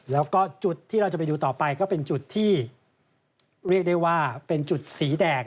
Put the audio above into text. แล้วก็จุดที่เราจะไปดูต่อไปก็เป็นจุดที่เรียกได้ว่าเป็นจุดสีแดง